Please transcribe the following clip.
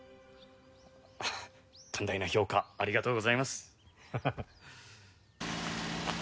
あっ寛大な評価ありがとうございます。